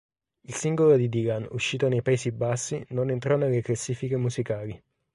Il singolo di Dylan uscito nei Paesi Bassi non entrò nelle classifiche musicali.